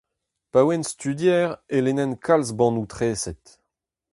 Pa oan studier e lennen kalz bannoù-treset.